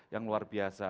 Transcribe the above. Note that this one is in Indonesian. yang luar biasa